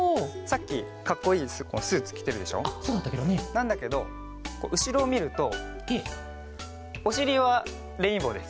なんだけどうしろをみるとおしりはレインボーです。